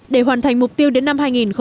để hoàn thành mục tiêu đến năm hai nghìn ba mươi